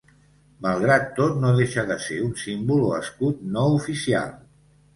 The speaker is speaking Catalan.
Malgrat tot no deixa de ser un símbol o escut no oficial.